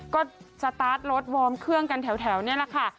ก็สตาร์ทรถวอร์มเครื่องกันแถวนี่แหละค่ะ